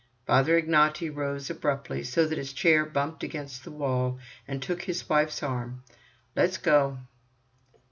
Father Ignaty rose abruptly, so that his chair bumped against the wall, and took his wife's arm. "Let's go!"